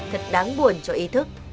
thật đáng buồn cho ý thức